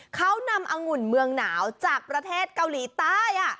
เขานำองุ่นเมืองหนาวจากประเทศเกาหลีใต้